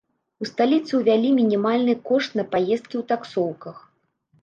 У сталіцы ўвялі мінімальны кошт на паездкі ў таксоўках.